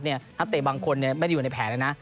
นักเตะบางคนไม่ได้อยู่ในแผนแล้วนะ